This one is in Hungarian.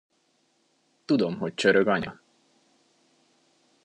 Tudom, hogy csörög, anya!